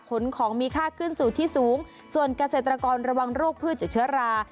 ขนของมีค่าขึ้นสู่ที่สูงส่วนเกษตรกรระวังโรคพืชจากเชื้อรา